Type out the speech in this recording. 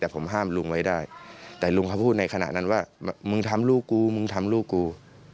แต่ผมห้ามลุงไว้ได้แต่ลุงเขาพูดในขณะนั้นว่ามึงทำลูกกูมึงทำลูกกู